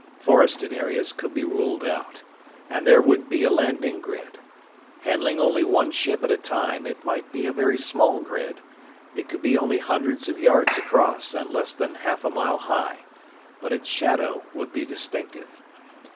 Forested areas could be ruled out. And there would be a landing grid. Handling only one ship at a time, it might be a very small grid. It could be only hundreds of yards across and less than half a mile high. But its shadow would be distinctive.